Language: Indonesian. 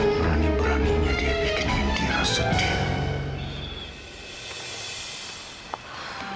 berani beraninya dia bikin indira sedih